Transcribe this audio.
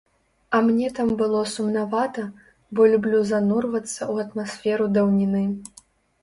А мне там было сумнавата, бо люблю занурвацца ў атмасферу даўніны.